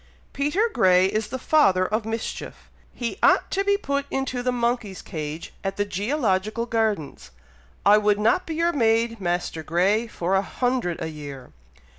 Peter Grey is the father of mischief! he ought to be put into the monkey's cage at the GEOlogical gardens! I would not be your maid, Master Grey, for a hundred a year."